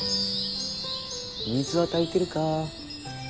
水は足りてるか？